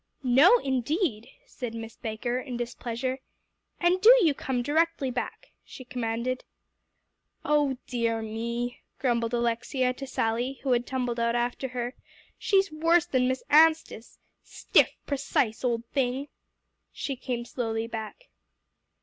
"No, indeed," said Miss Baker in displeasure, "and do you come directly back," she commanded. "Oh dear me!" grumbled Alexia to Sally, who had tumbled out after her, "she's worse than Miss Anstice stiff, precise old thing!" She came slowly back.